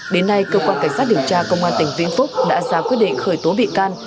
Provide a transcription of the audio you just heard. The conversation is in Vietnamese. đến nay cơ quan cảnh sát điều tra công an tỉnh vĩnh phúc đã ra quyết định khởi tố bị can